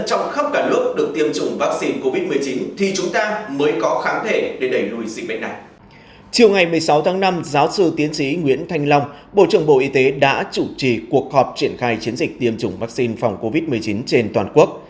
chiều ngày một mươi sáu tháng năm giáo sư tiến sĩ nguyễn thanh long bộ trưởng bộ y tế đã chủ trì cuộc họp triển khai chiến dịch tiêm chủng vaccine phòng covid một mươi chín trên toàn quốc